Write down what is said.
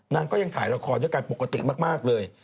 นางก็ยังถ่ายละครด้วยกันปกติมากเลย